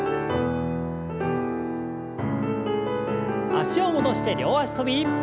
脚を戻して両脚跳び。